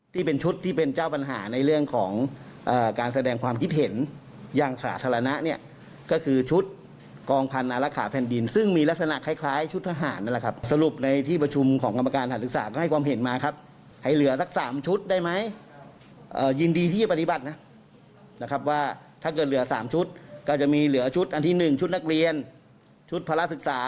ที่เป็นชุดที่เป็นเจ้าปัญหาในเรื่องของการแสดงความคิดเห็นอย่างสาธารณะเนี่ยก็คือชุดกองพันธุ์อลักษณะแผ่นดินซึ่งมีลักษณะคล้ายชุดทหารนะครับสรุปในที่ประชุมของกรรมการศึกษาก็ให้ความเห็นมาครับให้เหลือสัก๓ชุดได้ไหมยินดีที่ปฏิบัตินะนะครับว่าถ้าเกิดเหลือ๓ชุดก็จะมีเหล